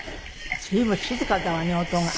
随分静かだわね音が。